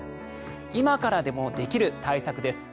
今からでもできる対策です。